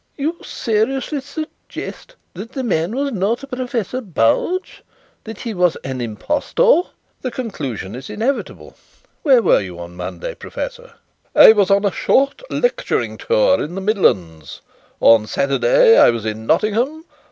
"You seriously suggest that the man was not Professor Bulge that he was an impostor?" "The conclusion is inevitable. Where were you on Monday, Professor?" "I was on a short lecturing tour in the Midlands. On Saturday I was in Nottingham.